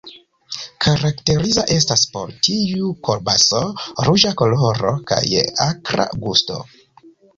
Karakteriza estas por tiu kolbaso ruĝa koloro kaj akra gusto.